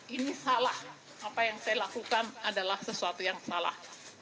ini salah apa yang saya lakukan adalah sesuatu yang salah